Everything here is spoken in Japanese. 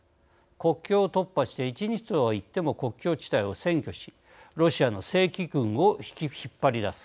国境を突破して１日とはいっても国境地帯を占拠しロシアの正規軍を引っ張り出す。